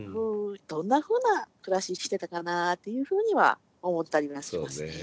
どんなふうな暮らししてたかなっていうふうには思ったりはしますね。